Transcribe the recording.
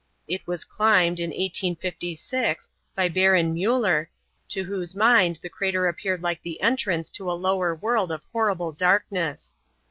It was climbed, in 1856, by Baron Muller, to whose mind the crater appeared like the entrance to a lower world of horrible darkness.